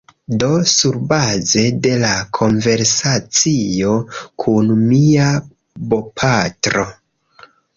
Do, surbaze de la konversacio kun mia bopatro